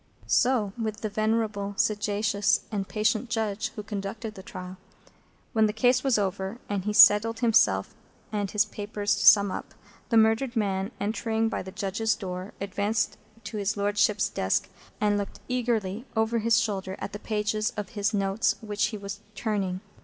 So with the venerable, sagacious, and patient Judge who conducted the trial. When the case was over, and he settled himself and his papers to sum up, the murdered man, entering by the Judges' door, advanced to his Lordship's desk, and looked eagerly over his shoulder at the pages of his notes which he was turning.